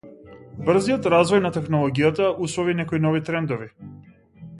Брзиот развој на технологијата услови некои нови трендови.